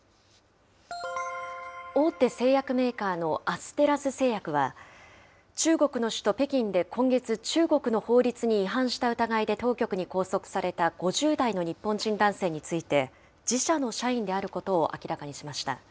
大手製薬メーカーのアステラス製薬は、中国の首都、北京で今月、中国の法律に違反した疑いで当局に拘束された５０代の日本人男性について、自社の社員であることを明らかにしました。